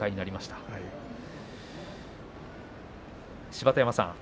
芝田山さん